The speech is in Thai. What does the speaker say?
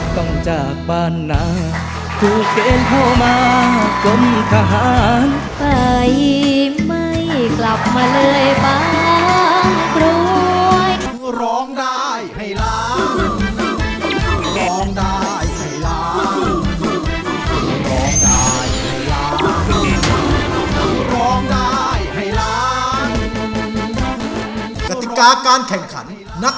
จงถูกว่าช่างคอนี่เหลือมกว่าวันนอก